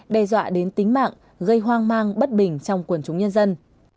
đe dọa đến tính mạng gây hoang mang bất bình trong quần chúng nhân dân